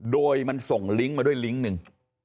โดยมันส่งลิงก์มาด้วยลิงก์หนึ่ง